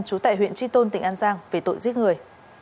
trú tại huyện tri tôn tỉnh an giang về tội giết người